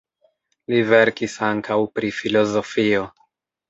Li verkis ankaŭ pri filozofio.